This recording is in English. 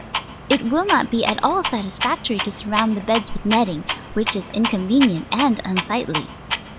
It will not be at all satisfactory to surround the beds with netting, which is incon venient and unsightly.